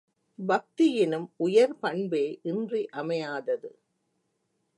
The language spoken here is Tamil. பக்தியினும் உயர் பண்பே இன்றியமையாதது.